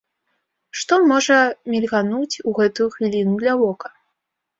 Што можа мільгануць у гэтую хвіліну для вока?